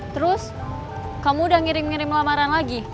terus kamu udah ngirim ngirim lamaran lagi